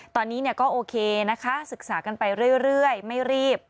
ตอนนี้ก็โอเคนะคะศึกษากันไปเรื่อยไม่รีบ